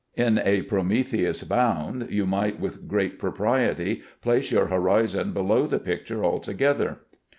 In a "Prometheus Bound" you might with great propriety place your horizon below the picture altogether.